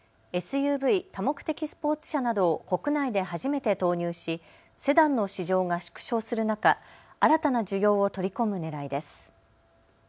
ＳＵＶ・多目的スポーツ車などを国内で初めて投入しセダンの市場が縮小する中、新たな需要を取り込むねらいです。